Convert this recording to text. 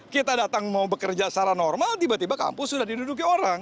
kita datang mau bekerja secara normal tiba tiba kampus sudah diduduki orang